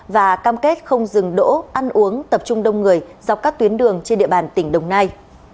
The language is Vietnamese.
và cam kết không dừng đỗ ăn uống tập trung đông người dọc các tuyến đường trên địa bàn tỉnh đồng nai